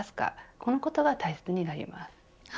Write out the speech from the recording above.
このことが大切になります。